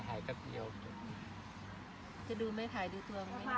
พี่ตุ๊กพี่หมูผ่าเจ้าของมา